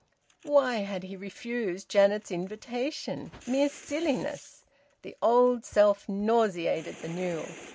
Why had he refused Janet's invitation? Mere silliness. The old self nauseated the new.